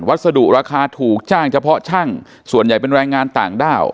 สดุราคาถูกจ้างเฉพาะช่างส่วนใหญ่เป็นแรงงานต่างด้าว